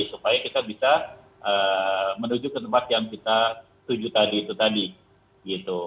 supaya kita bisa menuju ke tempat yang kita tuju tadi itu tadi gitu